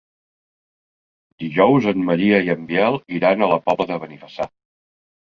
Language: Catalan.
Dijous en Maria i en Biel iran a la Pobla de Benifassà.